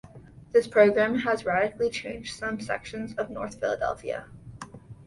This program has radically changed some sections of North Philadelphia.